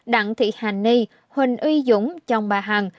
đặng thị hàn ni huỳnh uy dũng chồng bà hằng